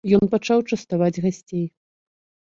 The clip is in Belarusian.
Ён пачаў частаваць гасцей.